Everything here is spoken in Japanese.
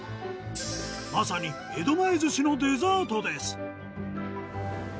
まさに江戸前ずしのデザートです。